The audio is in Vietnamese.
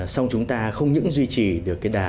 xong chúng ta không những duy trì được đà